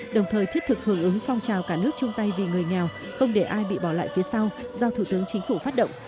đồng thời thiết thực hưởng ứng phong trào cả nước chung tay vì người nghèo không để ai bị bỏ lại phía sau do thủ tướng chính phủ phát động